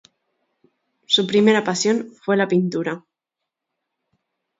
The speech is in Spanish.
Su primera pasión fue la pintura.